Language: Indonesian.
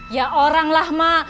ya orang lah mak